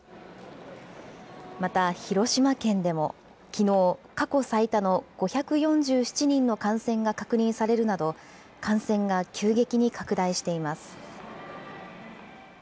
また、広島県でもきのう、過去最多の５４７人の感染が確認されるなど、感染が急激に拡大しています。